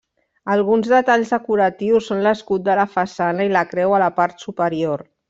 Alguns detalls decoratius són l'escut de la façana i la creu a la part superior.